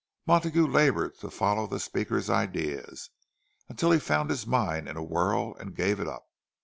Montague laboured to follow the speaker's ideas, until he found his mind in a whirl and gave it up.